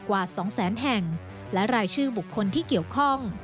กว่า๒แสนแห่งและรายชื่อบุคคลที่เกี่ยวข้อง